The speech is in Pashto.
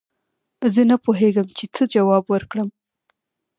زه نه پوهېږم چې څه جواب ورکړم